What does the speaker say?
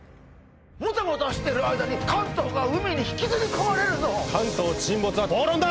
モタモタしてる間に関東が海に引きずり込まれるぞ関東沈没は暴論だ！